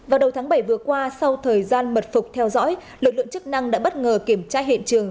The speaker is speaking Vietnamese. vào đầu tháng bảy vừa qua sau thời gian mật phục theo dõi lực lượng chức năng đã bất ngờ kiểm tra hiện trường